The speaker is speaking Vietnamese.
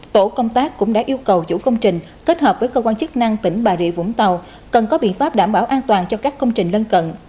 tổ công tác cũng đã yêu cầu chủ công trình kết hợp với cơ quan chức năng tỉnh bà rịa vũng tàu cần có biện pháp đảm bảo an toàn cho các công trình lân cận